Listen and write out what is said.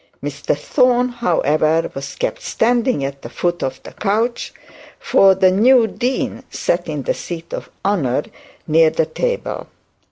Mr Thorne, however, was kept standing at the foot of the couch, for the new dean sat in the seat of honour near the table.